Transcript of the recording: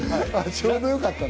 ちょうどよかったね。